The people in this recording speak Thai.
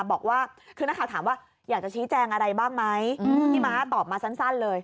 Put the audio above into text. บอกว่าคือนักข่าวถามว่าอยากจะชี้แจงอะไรบ้างไหมพี่ม้าตอบมาสั้นเลย